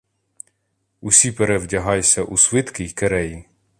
Усі перевдягайся у свитки й киреї.